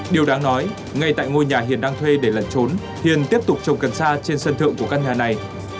điều đáng nói ngay tại ngôi nhà hiền đang thuê để lẩn trốn hiền tiếp tục trồng cần sa trên sân thượng của căn nhà này